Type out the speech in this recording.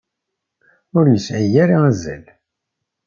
Ur yesɛi ara azal.